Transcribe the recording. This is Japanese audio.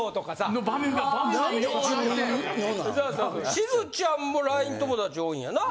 しずちゃんもＬＩＮＥ友だち多いんやな。